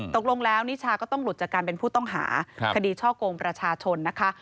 ตกลงแล้วนิชาก็ต้องหลุดจากการเป็นผู้ต้องหาคดีช่อกงประชาชนนะคะ